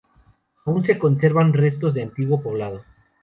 Aún se conservan restos de un antiguo poblado.